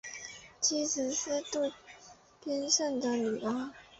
妻子是渡边胜的女儿。